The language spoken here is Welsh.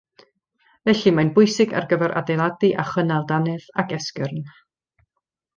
Felly, mae'n bwysig ar gyfer adeiladu a chynnal dannedd ac esgyrn